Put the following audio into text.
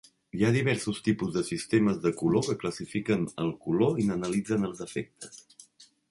Hi ha diversos tipus de sistemes de color que classifiquen el color i n'analitzen els efectes.